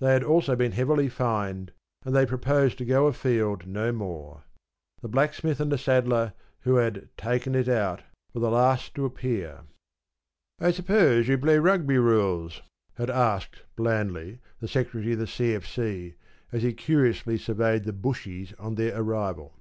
They had also been heavily fined, and they proposed to go afield no more. The Blacksmith and the Saddler, who had ‘taken it out,’ were the last to appear. ‘I suppose you play Rugby rules?’ had asked blandly the Secretary of the C.F.C., as he curiously surveyed the ‘Bushies’ on their arrival.